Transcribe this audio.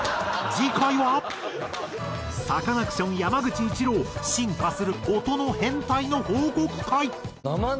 次回はサカナクション山口一郎進化する音の変態の報告会。